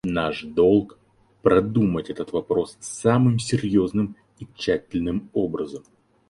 Наш долг — продумать этот вопрос самым серьезным и тщательным образом.